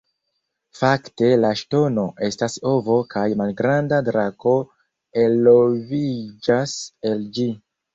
Fakte la ŝtono estas ovo kaj malgranda drako eloviĝas el ĝi.